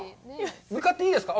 向かっていいですか。